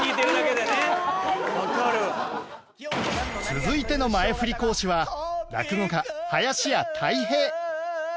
続いての前フリ講師は落語家林家たい平